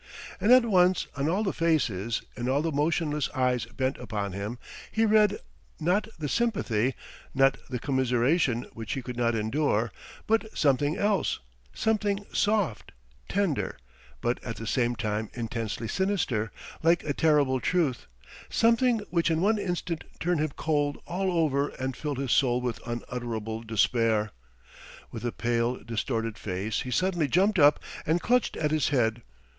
And at once on all the faces, in all the motionless eyes bent upon him, he read not the sympathy, not the commiseration which he could not endure, but something else, something soft, tender, but at the same time intensely sinister, like a terrible truth, something which in one instant turned him cold all over and filled his soul with unutterable despair. With a pale, distorted face he suddenly jumped up and clutched at his head.